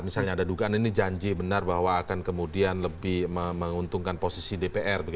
misalnya ada dugaan ini janji benar bahwa akan kemudian lebih menguntungkan posisi dpr